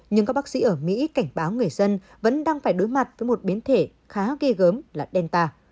nhưng các bác sĩ ở mỹ cảnh báo người dân vẫn đang phải đối mặt với một biến thể khá ghê gớm là delta